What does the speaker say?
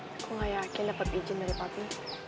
aku gak yakin dapat izin dari papi